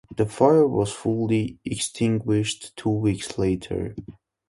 The fire was fully extinguished two weeks later.